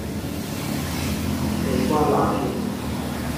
地瓜拿鐵